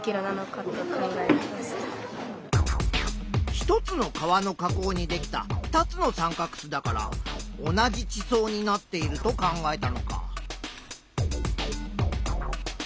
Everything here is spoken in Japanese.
１つの川の河口にできた２つの三角州だから同じ地層になっていると考えたのか。